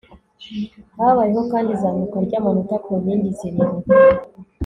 habayeho kandi izamuka ry'amanota ku nkingi zirindwi